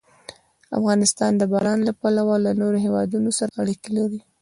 افغانستان د باران له پلوه له نورو هېوادونو سره اړیکې لري.